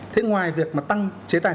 thế ngoài việc mà tăng chế tài